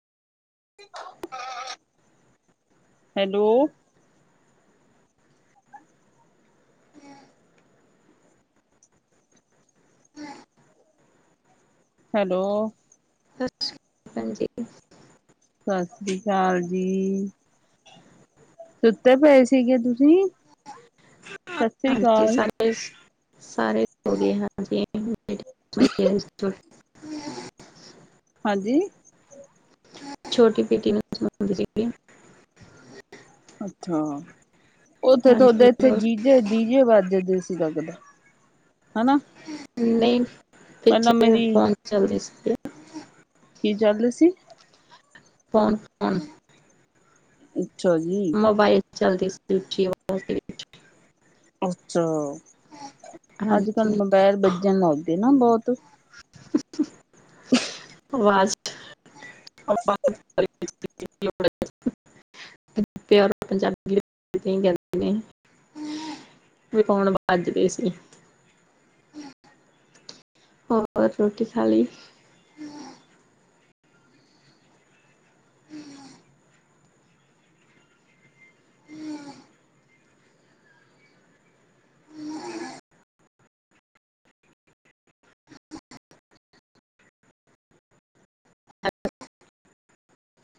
Hello. Hello. ਸਤਿ ਸ਼੍ਰੀ ਅਕਾਲ ਜੀ। ਸਤਿ ਸ੍ਰੀ ਅਕਾਲ ਜੀ! ਸੁੱਤੇ ਪਏ ਸੀਗੇ ਤੁਸੀਂ? ਅਕਾਲ ਸ੍ਰੀ ਹਾਂਜੀ। ਅਕਾਲ, ਸਾਰੇ-ਸਾਰੇ ਵਧੀਆ। ਹਾਂਜੀ [inaudible] ਹਾਂਜੀ? ਛੋਟੀ ਬੇਟੀ ਨੂੰ ਅੱਛਾ ਉੱਥੇ ਹਾਂਜੀ ਤੁਹਾਡੇ, ਇੱਥੇ ਹੋਰ ਜੀ ਜੇ, ਡੀਜੇ ਵੱਜਦੇ ਸੀ ਲੱਗਦਾ, ਹਨਾ? ਨਹੀਂ, ਪਹਿਲਾਂ ਪਿੱਛੇ ਮੇਰੀ ਫਹਨ ਚੱਲਦੇ ਸੀਗੇ। ਕੀ ਚੱਲਦੇ ਸੀ? ਫੋਨ, ਫੋਨ ਅੱਛਾ ਜੀ। ਮੋਬਾਇਲ'ਚ ਚੱਲਦੀ ਸੀ, ਉੱਚੀ ਅਵਾਜ਼। [unintelligible] ਅੱਛਾ। ਹਾਂਜੀ ਅੱਜਕੱਲ ਮੋਬਾਇਲ ਬੱਜਣ ਲਗਗੇ ਨਾ, ਬਹੁਤ। ਵਾਜ਼, ਆਵਾਜ ਆ ਪਿਉਰ ਪੰਜਾਬੀ [inaudible] ਕਹਿੰਦੇ ਨੇ। ਵੀ ਫੋਨ ਵੱਜ ਗਏ ਸੀ। ਹੋਰ, ਰੋਟੀ ਖਾਲੀ? ਹ [inaudible]